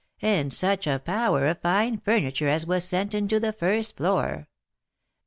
And such a power of fine furniture as was sent into the first floor!